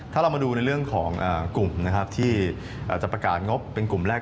ถ้าเรามาดูในเรื่องของกลุ่มนะครับที่จะประกาศงบเป็นกลุ่มแรก